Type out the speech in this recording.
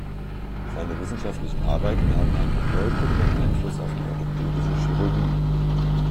Seine wissenschaftlichen Arbeiten haben einen bedeutenden Einfluss auf die orthopädische Chirurgie.